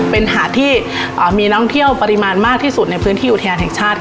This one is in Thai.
เป็นหาดที่มีนักท่องเที่ยวปริมาณมากที่สุดในพื้นที่อุทยานแห่งชาติ